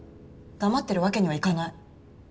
黙ってるわけにはいかない。